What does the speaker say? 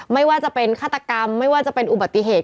ไม่ว่าจะเป็นฆาตกรรมไม่ว่าจะเป็นอุบัติเหตุ